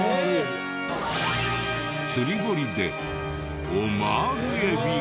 釣り堀でオマール海老が。